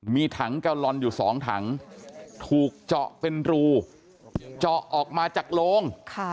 มีถังแกลลอนอยู่๒ถังถูกเจาะเป็นรูเจาะออกมาจากโลง